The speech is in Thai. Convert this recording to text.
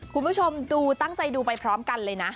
คุณผู้ชมดูตั้งใจดูไปพร้อมกันเลยนะ